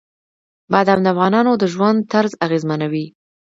بادام د افغانانو د ژوند طرز اغېزمنوي.